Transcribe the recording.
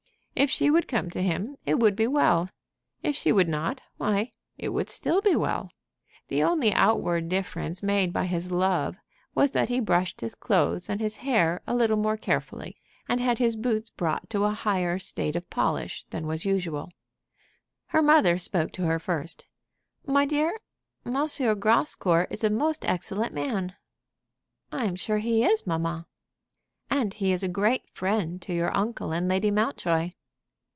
If she would come to him, it would be well; if she would not, why, it would still be well. The only outward difference made by his love was that he brushed his clothes and his hair a little more carefully, and had his boots brought to a higher state of polish than was usual. Her mother spoke to her first. "My dear, M. Grascour is a most excellent man." "I am sure he is, mamma." "And he is a great friend to your uncle and Lady Mountjoy."